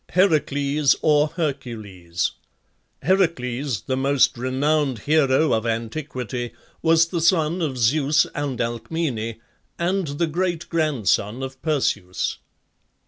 HERACLES (HERCULES). Heracles, the most renowned hero of antiquity, was the son of Zeus and Alcmene, and the great grandson of Perseus.